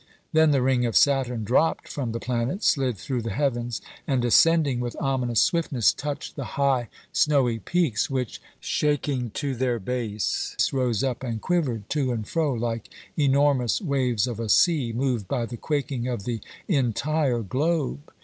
Then the ring of Saturn dropped from the planet, slid through the heavens, and, descending with ominous swiftness, touched the high, snowy peaks, which, shaking to their base, rose up and quivered to and fro like enormous waves of a sea moved by the quaking of the en tire globe.